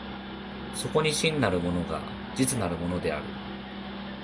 そこに真なるものが実なるものである。